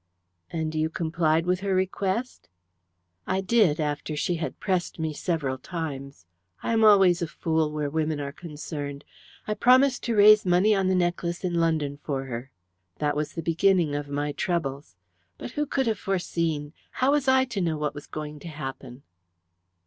"And you complied with her request?" "I did, after she had pressed me several times. I am always a fool where women are concerned. I promised to raise money on the necklace in London for her. That was the beginning of my troubles. But who could have foreseen? How was I to know what was going to happen?"